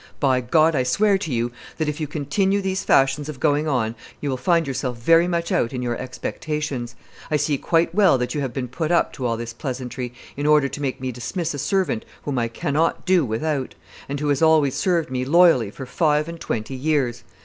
By God, I swear to you that, if you continue these fashions of going on, you will find yourself very much out in your expectations. I see quite well that you have been put up to all this pleasantry in order to make me dismiss a servant whom I cannot do without, and who has always served me loyally for five and twenty years.